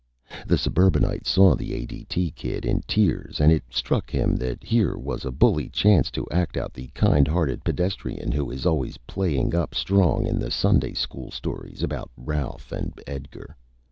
The Suburbanite saw the A.D.T. Kid in Tears and it struck him that here was a Bully Chance to act out the Kind Hearted Pedestrian who is always played up strong in the Sunday School Stories about Ralph and Edgar.